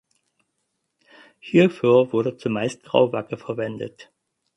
Hierfür wurde zumeist Grauwacke verwendet.